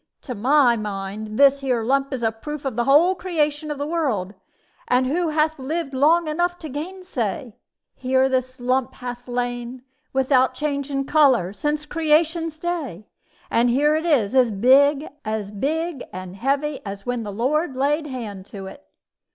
To my mind, this here lump is a proof of the whole creation of the world, and who hath lived long enough to gainsay? Here this lump hath lain, without changing color, since creation's day; here it is, as big and heavy as when the Lord laid hand to it.